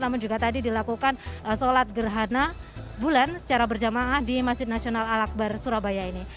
namun juga tadi dilakukan sholat gerhana bulan secara berjamaah di masjid nasional al akbar surabaya ini